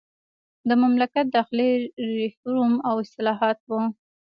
د مملکت داخلي ریفورم او اصلاحات وو.